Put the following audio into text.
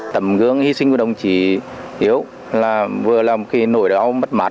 tầm gương hy sinh của đồng chí hiếu là vừa là một khi nổi đỏ mất mát